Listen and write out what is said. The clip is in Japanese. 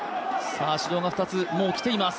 指導が２つきています。